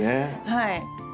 はい。